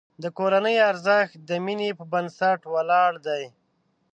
د کورنۍ ارزښت د مینې په بنسټ ولاړ دی.